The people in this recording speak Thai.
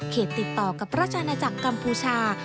ติดต่อกับราชอาณาจักรกัมพูชา